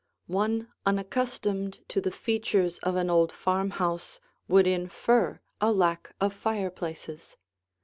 One unaccustomed to the features of an old farmhouse would infer a lack of fireplaces.